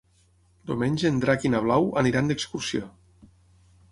Diumenge en Drac i na Blau aniran d'excursió.